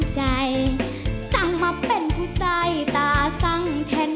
จริง